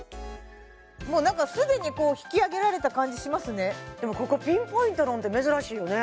もう何か既にこう引き上げられた感じしますねでもここピンポイントなんて珍しいよね